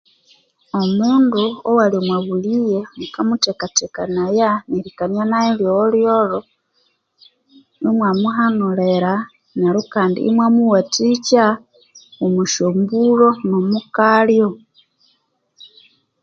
Omundu owali omubulighe mukamuthekathekanaya nerikania nayo lyolholyolho imwamuhanulira neryo Kandi imwamuwathicha omushombulho nomokalyo